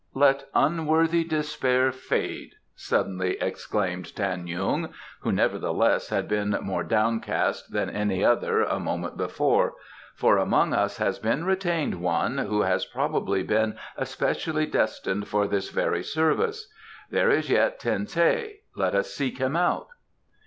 "Let unworthy despair fade!" suddenly exclaimed Tan yung, who nevertheless had been more downcast than any other a moment before; "for among us has been retained one who has probably been especially destined for this very service. There is yet Ten teh. Let us seek him out."